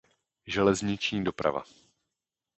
Železniční doprava.